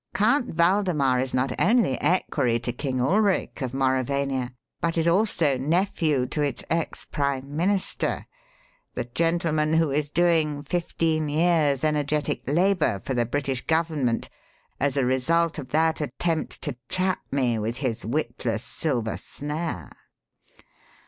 Count Waldemar is not only equerry to King Ulric of Mauravania, but is also nephew to its ex Prime Minister the gentleman who is doing fifteen years' energetic labour for the British Government as a result of that attempt to trap me with his witless 'Silver Snare.'"